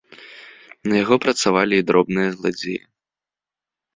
На яго працавалі і дробныя зладзеі.